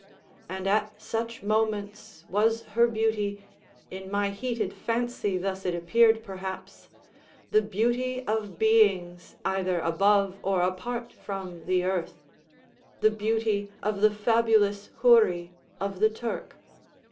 And at such moments was her beauty—in my heated fancy thus it appeared perhaps—the beauty of beings either above or apart from the earth—the beauty of the fabulous Houri of the Turk.